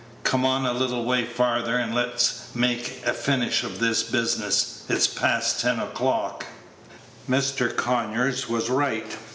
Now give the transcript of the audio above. Come on a little way farther, and let's make a finish of this business; it's past ten o'clock." Mr. Conyers was right.